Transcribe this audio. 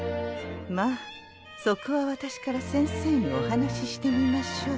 まあそこは私から先生にお話ししてみましょう。